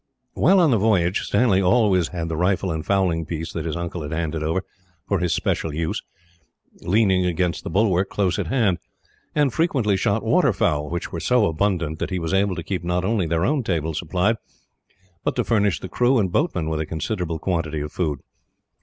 While on the voyage, Stanley always had the rifle and fowling piece that his uncle had handed over, for his special use, leaning against the bulwark, close at hand; and frequently shot waterfowl, which were so abundant that he was able to keep not only their own table supplied, but to furnish the crew and boatmen with a considerable quantity of food.